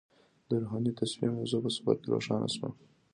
د روحاني تصفیې موضوع په سفر کې روښانه شوه.